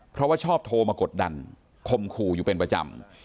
เพราะว่าชอบโทรมากดดันคมขู่อยู่เป็นประจำ